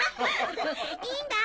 いいんだ